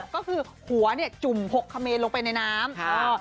๖ก็คือหัวจุ่ม๖คเมนต์ลงไปในน้ำ